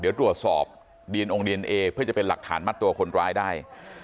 เดี๋ยวตรวจสอบดีนอกดีเอนเอเพื่อจะเป็นหลักฐานมัดตัวคนร้ายได้